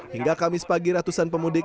hingga kamis pagi ratusan pemudik